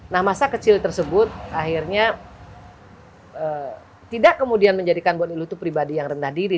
nah masa kecil tersebut akhirnya tidak kemudian menjadikan mbak nilo pribadi yang rendah diri